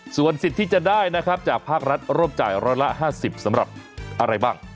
ส่วนสิทธิ์ที่จะได้นะครับจากภาครัฐร่วมจ่ายร้อยละ๕๐สำหรับอะไรบ้าง